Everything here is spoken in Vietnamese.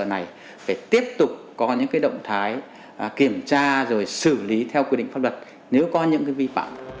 này phải tiếp tục có những động thái kiểm tra rồi xử lý theo quy định pháp luật nếu có những vi phạm